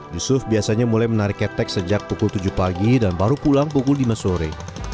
yusuf biasanya mulai menarik ketek sejak pukul tujuh pagi dan baru pulang pukul lima sore